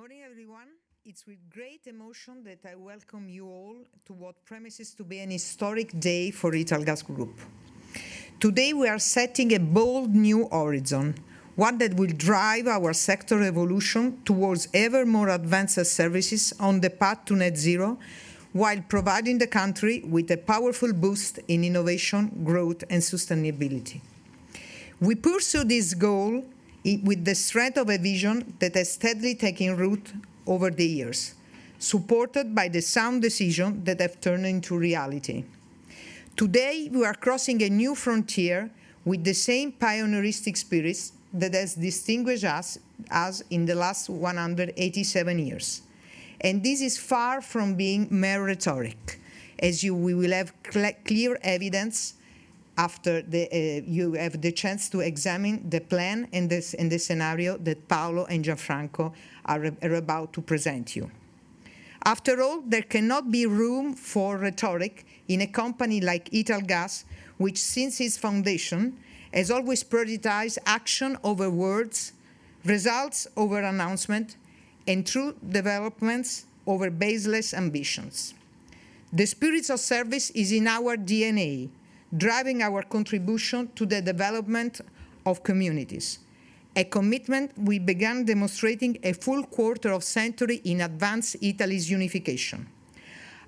Good morning, everyone. It's with great emotion that I welcome you all to what promises to be an historic day for Italgas Group. Today, we are setting a bold new horizon, one that will drive our sector evolution towards ever more advanced services on the path to net zero, while providing the country with a powerful boost in innovation, growth, and sustainability. We pursue this goal with the strength of a vision that has steadily taken root over the years, supported by the sound decision that have turned into reality. Today, we are crossing a new frontier with the same pioneeristic spirit that has distinguished us in the last 187 years. This is far from being mere rhetoric, as you will have clear evidence after you have the chance to examine the plan in this scenario that Paolo and Gianfranco are about to present you. After all, there cannot be room for rhetoric in a company like Italgas, which since its foundation, has always prioritized action over words, results over announcement, and true developments over baseless ambitions. The spirit of service is in our DNA, driving our contribution to the development of communities, a commitment we began demonstrating a full quarter of century in advance Italy's unification.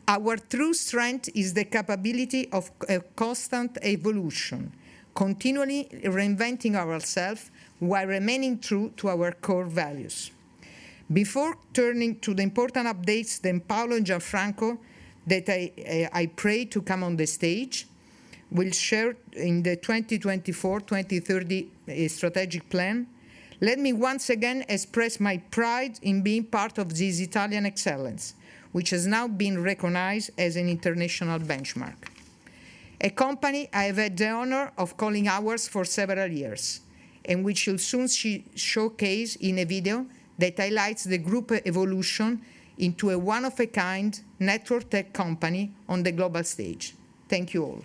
Our true strength is the capability of constant evolution, continually reinventing ourselves while remaining true to our core values. Before turning to the important updates, then Paolo and Gianfranco, that I, I pray to come on the stage, will share in the 2024, 2030 strategic plan, let me once again express my pride in being part of this Italian excellence, which has now been recognized as an international benchmark. A company I have had the honor of calling ours for several years, and we shall soon showcase in a video that highlights the group evolution into a one-of-a-kind Network Tech Company on the global stage. Thank you all.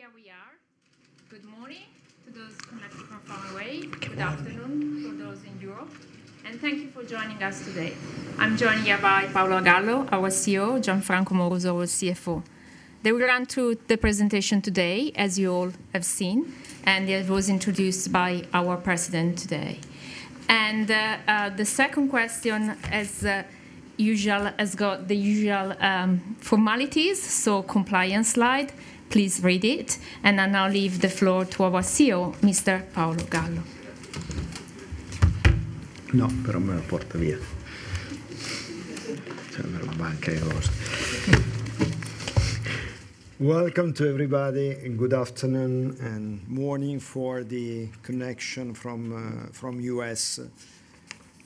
So here we are. Good morning to those connected from far away. Good afternoon to those in Europe, and thank you for joining us today. I'm joined here by Paolo Gallo, our CEO, Gianfranco Amoroso, our CFO. They will run through the presentation today, as you all have seen, and it was introduced by our president today. And, the second question, as usual, has got the usual formalities, so compliance slide, please read it, and I'll now leave the floor to our CEO, Mr. Paolo Gallo. Welcome to everybody, and good afternoon, and morning for the connection from U.S..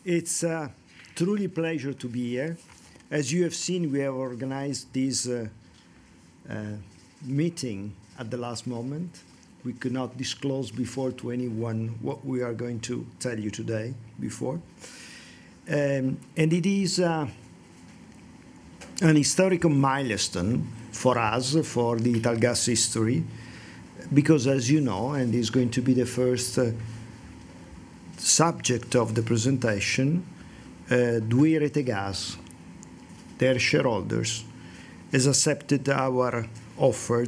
It's a truly pleasure to be here. As you have seen, we have organized this meeting at the last moment. We could not disclose before to anyone what we are going to tell you today, before. And it is an historical milestone for us, for the Italgas history, because as you know, and it's going to be the first subject of the presentation, 2i Rete Gas, their shareholders, has accepted our offer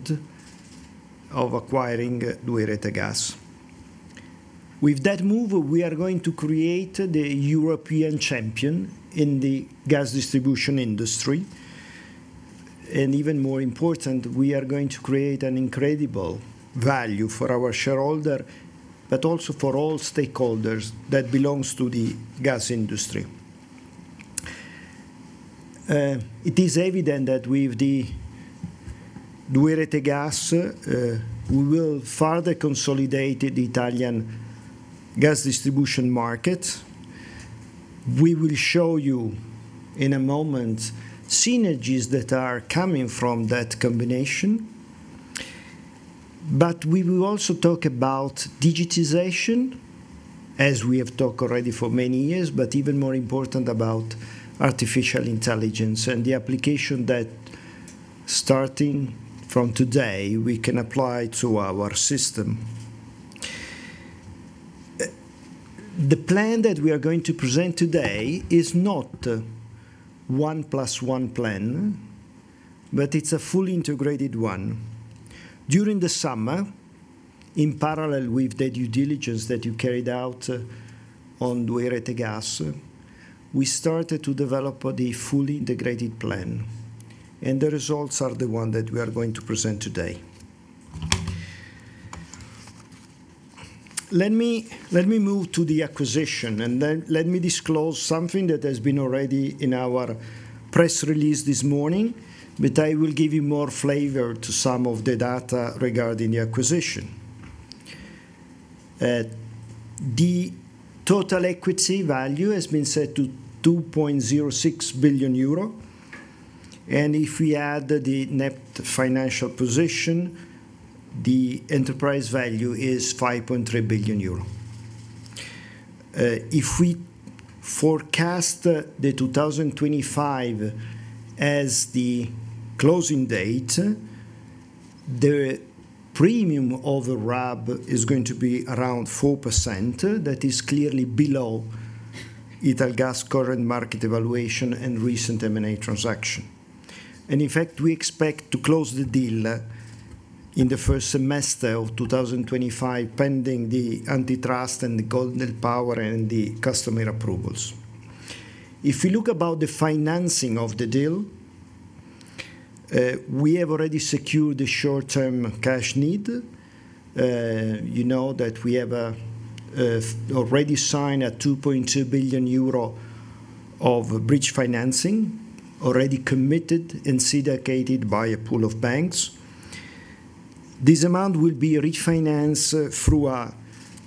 of acquiring 2i Rete Gas. With that move, we are going to create the European champion in the gas distribution industry, and even more important, we are going to create an incredible value for our shareholder, but also for all stakeholders that belongs to the gas industry. It is evident that with the 2i Rete Gas, we will further consolidate the Italian gas distribution market. We will show you, in a moment, synergies that are coming from that combination. But we will also talk about digitization, as we have talked already for many years, but even more important, about artificial intelligence and the application that, starting from today, we can apply to our system. The plan that we are going to present today is not one plus one plan, but it's a fully integrated one. During the summer, in parallel with the due diligence that you carried out on 2i Rete Gas, we started to develop the fully integrated plan, and the results are the one that we are going to present today. Let me, let me move to the acquisition, and then let me disclose something that has been already in our press release this morning, but I will give you more flavor to some of the data regarding the acquisition. The total equity value has been set to 2.06 billion euro, and if we add the net financial position, the enterprise value is 5.3 billion euro. If we forecast 2025 as the closing date, the premium of the RAB is going to be around 4%. That is clearly below Italgas' current market valuation and recent M&A transaction. And in fact, we expect to close the deal in the first semester of 2025, pending the antitrust and the Golden Power and the customer approvals. If you look about the financing of the deal, we have already secured the short-term cash need. You know that we have already signed 2.2 billion euro of bridge financing, already committed and syndicated by a pool of banks. This amount will be refinanced through a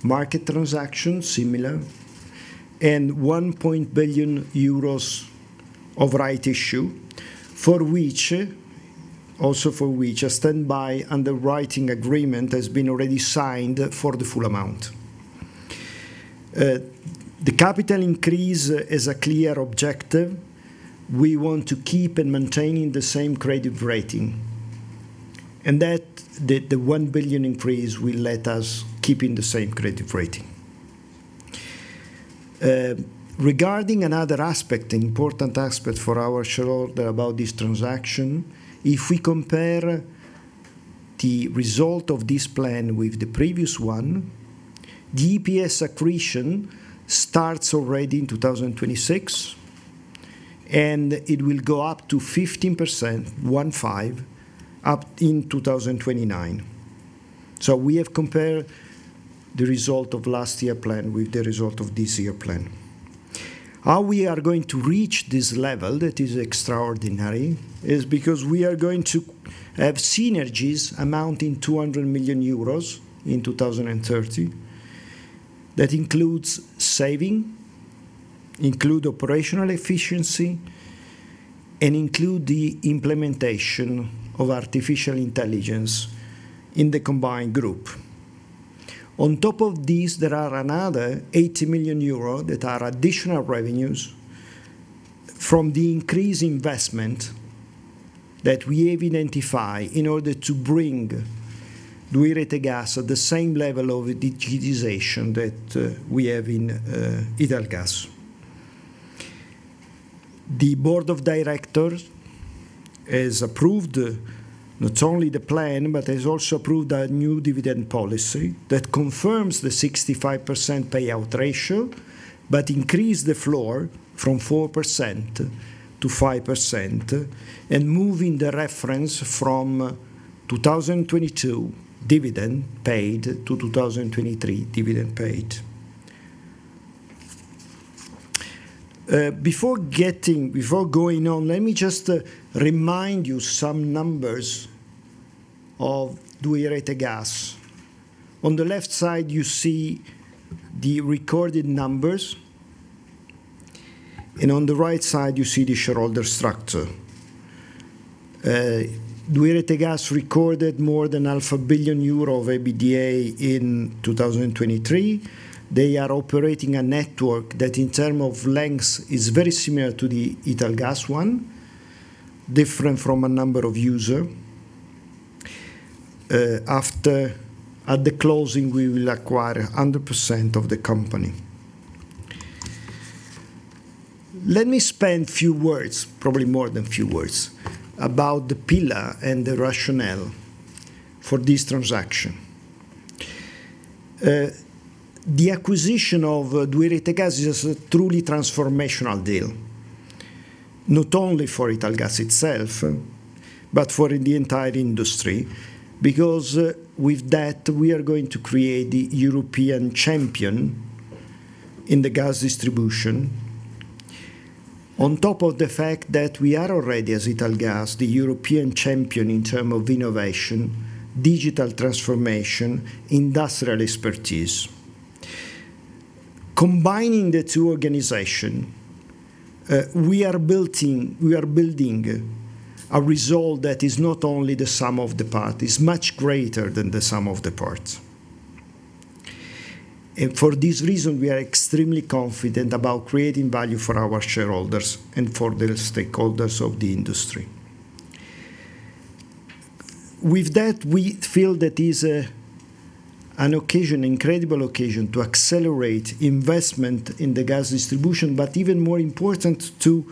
market transaction, similar, and EUR 1 billion of rights issue, for which a standby underwriting agreement has been already signed for the full amount. The capital increase is a clear objective. We want to keep and maintaining the same credit rating, and the one billion increase will let us keeping the same credit rating. Regarding another aspect, an important aspect for our shareholder about this transaction, if we compare the result of this plan with the previous one, the EPS accretion starts already in 2026, and it will go up to 15% up in 2029. So we have compared the result of last year plan with the result of this year plan. How we are going to reach this level, that is extraordinary, is because we are going to have synergies amounting 200 million euros in 2030. That includes saving, include operational efficiency, and include the implementation of artificial intelligence in the combined group. On top of this, there are another 80 million euros that are additional revenues from the increased investment that we have identified in order to bring 2i Rete Gas at the same level of digitization that we have in Italgas. The board of directors has approved not only the plan, but has also approved a new dividend policy that confirms the 65% payout ratio, but increase the floor from 4%-5%, and moving the reference from 2022 dividend paid to 2023 dividend paid. Before going on, let me just remind you some numbers of 2i Rete Gas. On the left side, you see the recorded numbers... and on the right side, you see the shareholder structure. 2i Rete Gas recorded more than 0.5 billion euro of EBITDA in 2023. They are operating a network that, in terms of lengths, is very similar to the Italgas one, different from a number of users. After, at the closing, we will acquire 100% of the company. Let me spend few words, probably more than few words, about the pillar and the rationale for this transaction. The acquisition of 2i Rete Gas is a truly transformational deal, not only for Italgas itself, but for the entire industry, because, with that, we are going to create the European champion in the gas distribution. On top of the fact that we are already, as Italgas, the European champion in terms of innovation, digital transformation, industrial expertise. Combining the two organizations, we are building a result that is not only the sum of the parts, it's much greater than the sum of the parts. And for this reason, we are extremely confident about creating value for our shareholders and for the stakeholders of the industry. With that, we feel that is an incredible occasion to accelerate investment in the gas distribution, but even more important, to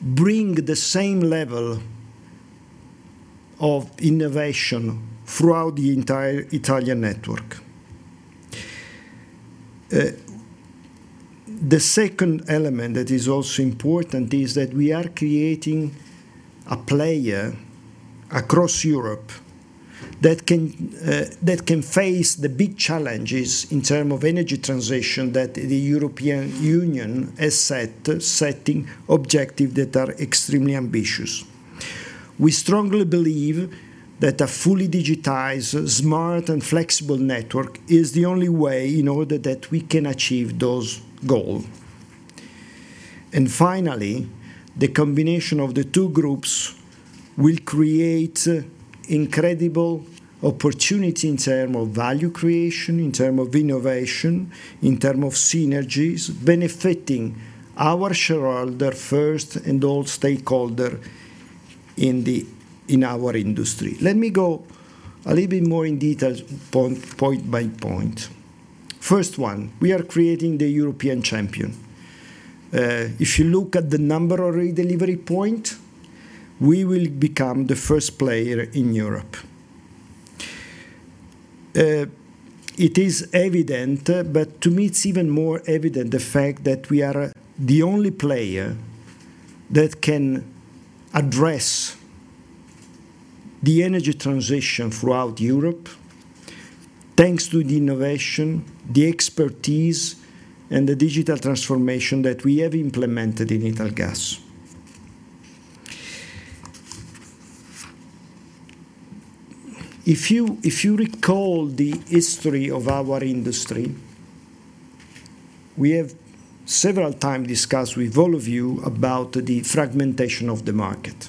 bring the same level of innovation throughout the entire Italian network. The second element that is also important is that we are creating a player across Europe that can face the big challenges in terms of energy transition that the European Union has set, setting objective that are extremely ambitious. We strongly believe that a fully digitized, smart, and flexible network is the only way in order that we can achieve those goal. And finally, the combination of the two groups will create incredible opportunity in term of value creation, in term of innovation, in term of synergies, benefiting our shareholder first and all stakeholder in our industry. Let me go a little bit more in detail point, point by point. First one, we are creating the European champion. If you look at the number of re-delivery point, we will become the first player in Europe. It is evident, but to me, it's even more evident, the fact that we are the only player that can address the energy transition throughout Europe, thanks to the innovation, the expertise, and the digital transformation that we have implemented in Italgas. If you, if you recall the history of our industry, we have several time discussed with all of you about the fragmentation of the market.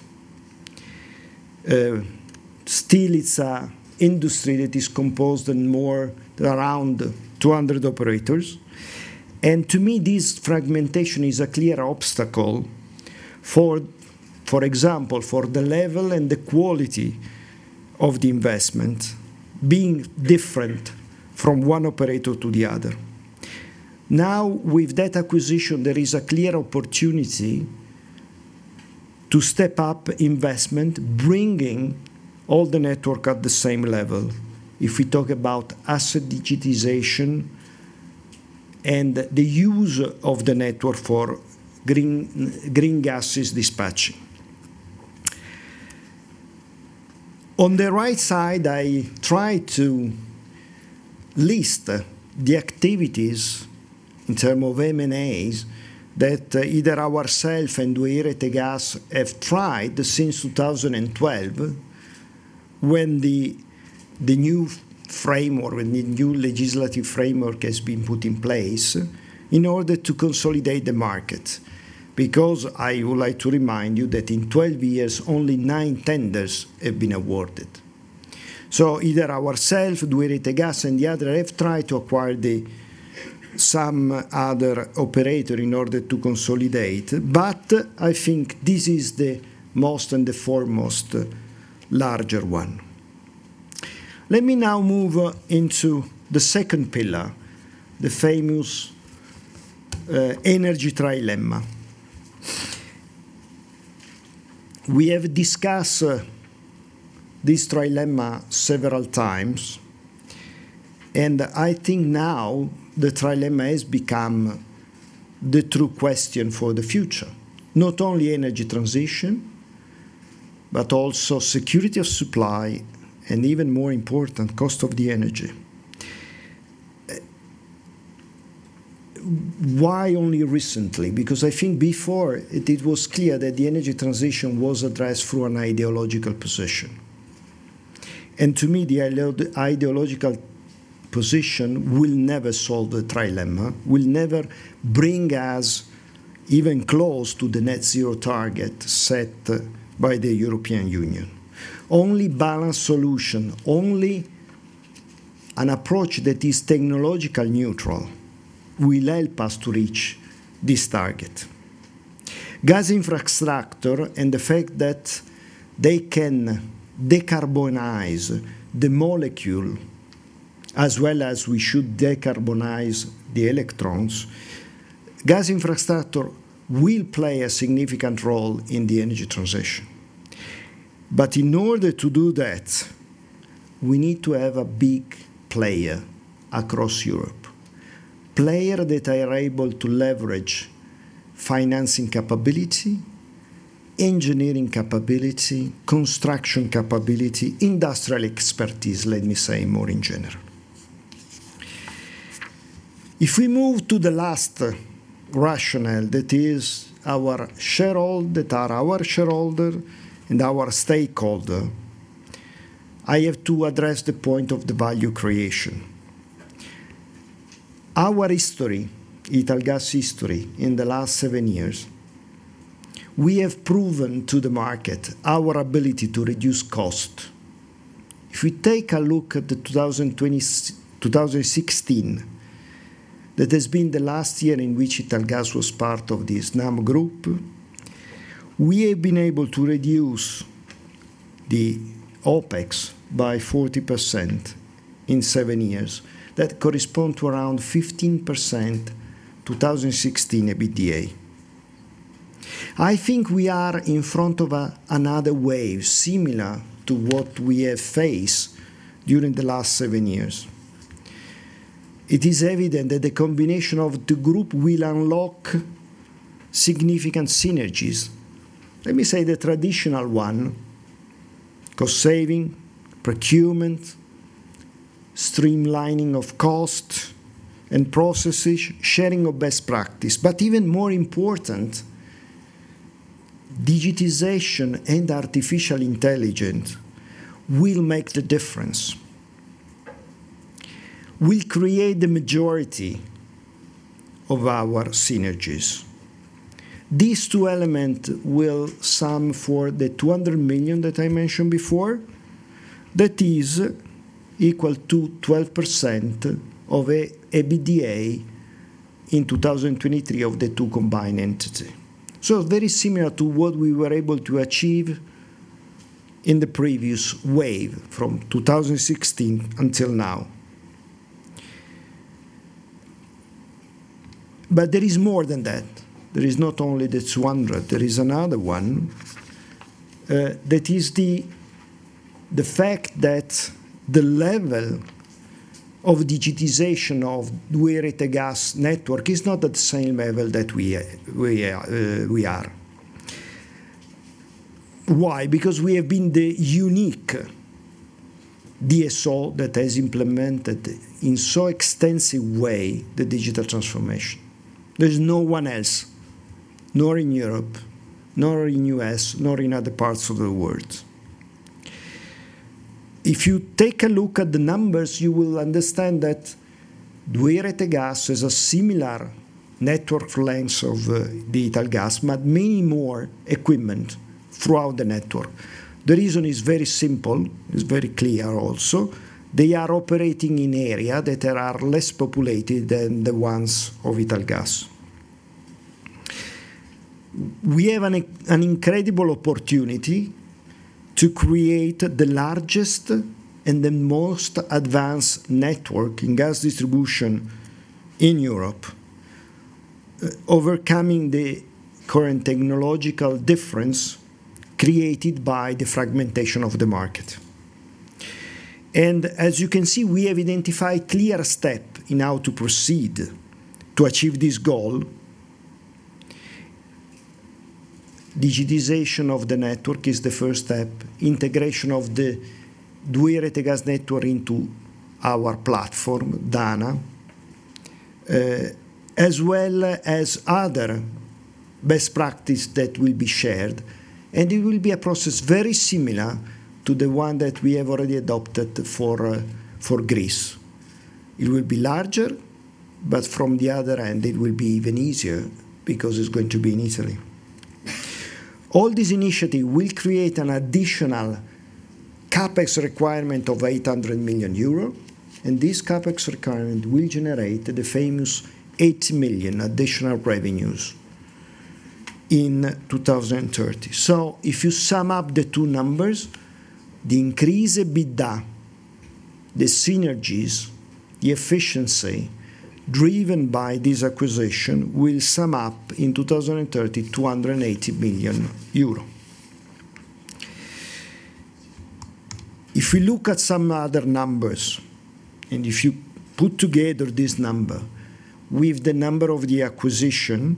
Still, it's an industry that is composed of more around 200 operators, and to me, this fragmentation is a clear obstacle for, for example, for the level and the quality of the investment being different from one operator to the other. Now, with that acquisition, there is a clear opportunity to step up investment, bringing all the network at the same level, if we talk about asset digitization and the use of the network for green gases dispatch. On the right side, I try to list the activities in terms of M&As that either ourselves and 2i Rete Gas have tried since 2012, when the new legislative framework has been put in place in order to consolidate the market. Because I would like to remind you that in 12 years, only nine tenders have been awarded. So either ourself, 2i Rete Gas, and the other have tried to acquire the some other operator in order to consolidate, but I think this is the most and the foremost larger one. Let me now move into the second pillar, the famous energy trilemma. We have discussed this trilemma several times, and I think now the trilemma has become the true question for the future. Not only energy transition, but also security of supply, and even more important, cost of the energy. Why only recently? Because I think before, it was clear that the energy transition was addressed through an ideological position, and to me, the ideological position will never solve the trilemma, will never bring us even close to the net zero target set by the European Union. Only balanced solution, only an approach that is technological neutral, will help us to reach this target. Gas infrastructure and the fact that they can decarbonize the molecule as well as we should decarbonize the electrons. Gas infrastructure will play a significant role in the energy transition. But in order to do that, we need to have a big player across Europe. Player that are able to leverage financing capability, engineering capability, construction capability, industrial expertise, let me say more in general. If we move to the last rationale, that is our shareholder, that are our shareholder and our stakeholder, I have to address the point of the value creation. Our history, Italgas history, in the last seven years, we have proven to the market our ability to reduce cost. If we take a look at the 2016, that has been the last year in which Italgas was part of the Snam Group, we have been able to reduce the OpEx by 40% in seven years. That correspond to around 15%, 2016, EBITDA. I think we are in front of a, another wave, similar to what we have faced during the last seven years. It is evident that the combination of the group will unlock significant synergies. Let me say the traditional one: cost saving, procurement, streamlining of cost and processes, sharing of best practice. But even more important, digitization and artificial intelligence will make the difference, will create the majority of our synergies. These two element will sum for the 200 million that I mentioned before. That is equal to 12% of an EBITDA in 2023 of the two combined entity, so very similar to what we were able to achieve in the previous wave from 2016 until now, but there is more than that. There is not only this 100, there is another one that is the fact that the level of digitization of 2i Rete Gas network is not at the same level that we are. Why? Because we have been the unique DSO that has implemented in so extensive way the digital transformation. There's no one else, nor in Europe, nor in U.S., nor in other parts of the world. If you take a look at the numbers, you will understand that 2i Rete Gas has a similar network length of Italgas, but many more equipment throughout the network. The reason is very simple, it's very clear also. They are operating in areas that are less populated than the ones of Italgas. We have an incredible opportunity to create the largest and the most advanced network in gas distribution in Europe, overcoming the current technological difference created by the fragmentation of the market. As you can see, we have identified clear steps in how to proceed to achieve this goal. Digitization of the network is the first step. Integration of the 2i Rete Gas network into our platform, DANA, as well as other best practices that will be shared, and it will be a process very similar to the one that we have already adopted for Greece. It will be larger, but from the other end, it will be even easier because it's going to be in Italy. All this initiative will create an additional CapEx requirement of 800 million euro, and this CapEx requirement will generate the famous 80 million additional revenues in 2030. So if you sum up the two numbers, the increased EBITDA, the synergies, the efficiency driven by this acquisition will sum up in 2030, 280 million euro. If we look at some other numbers, and if you put together this number with the number of the acquisition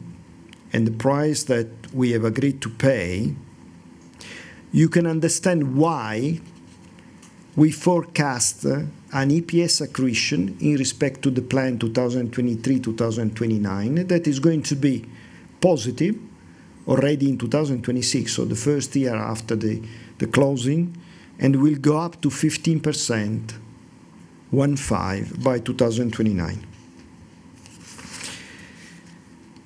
and the price that we have agreed to pay, you can understand why we forecast an EPS accretion in respect to the plan 2023-2029, that is going to be positive.... already in 2026, so the first year after the closing, and will go up to 15%, one five, by 2029.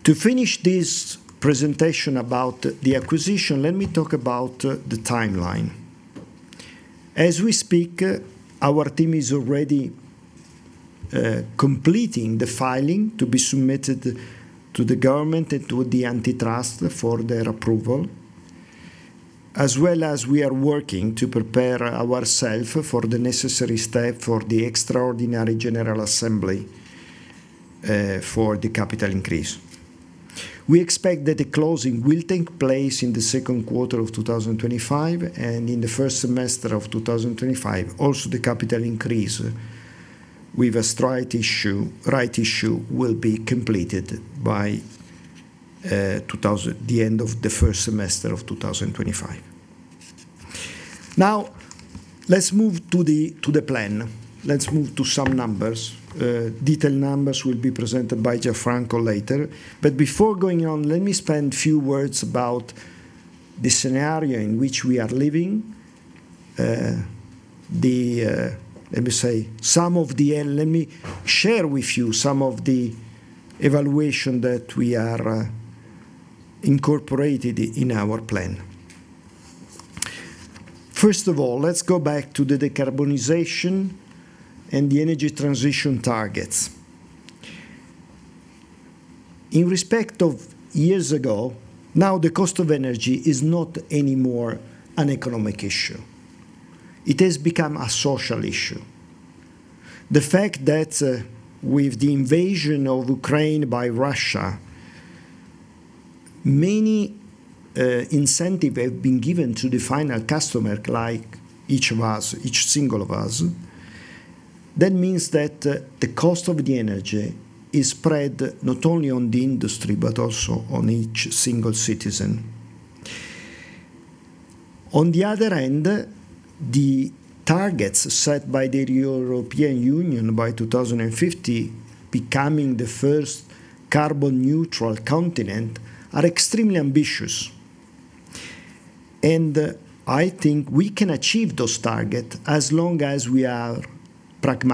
To finish this presentation about the acquisition, let me talk about the timeline. As we speak, our team is already completing the filing to be submitted to the government and to the antitrust for their approval, as well as we are working to prepare ourselves for the necessary step for the extraordinary general assembly for the capital increase. We expect that the closing will take place in the second quarter of 2025, and in the first semester of 2025, also, the capital increase with a straight issue, rights issue will be completed by the end of the first semester of 2025. Now, let's move to the plan. Let's move to some numbers. Detailed numbers will be presented by Gianfranco later. But before going on, let me spend a few words about the scenario in which we are living. Let me share with you some of the evaluation that we are incorporated in our plan. First of all, let's go back to the decarbonization and the energy transition targets. In respect of years ago, now the cost of energy is not anymore an economic issue. It has become a social issue. The fact that with the invasion of Ukraine by Russia, many incentive have been given to the final customer, like each of us, each single of us. That means that the cost of the energy is spread not only on the industry, but also on each single citizen. On the other hand, the targets set by the European Union by 2050, becoming the first carbon neutral continent, are extremely ambitious, and I think we can achieve those targets as long as we are pragmatic.